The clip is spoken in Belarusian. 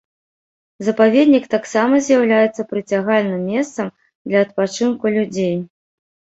Запаведнік таксама з'яўляецца прыцягальным месцам для адпачынку людзей.